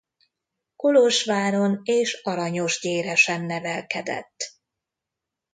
Kolozsváron és Aranyosgyéresen nevelkedett.